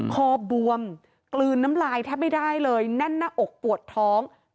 คอบวมกลืนน้ำลายแทบไม่ได้เลยแน่นหน้าอกปวดท้อง